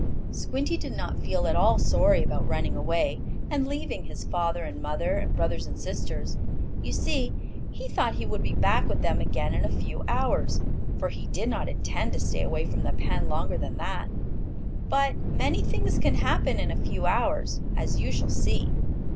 Squinty did not feel at all sorry about running away and leaving his father and mother, and brothers and sisters. You see he thought he would be back with them again in a few hours, for he did not intend to stay away from the pen longer than that. But many things can happen in a few hours, as you shall see.